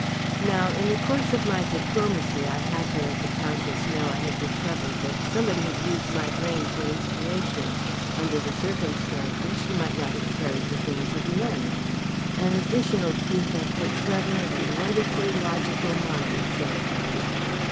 Now, in the course of my diplomacy I had to let the Countess know I had discovered that somebody had used my brain for inspiration. Under the circumstances she might not have carried the thing to the end." "An additional proof of her clever and wonderfully logical mind," said Hetty.